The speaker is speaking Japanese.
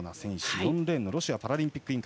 ４レーンロシアパラリンピック委員会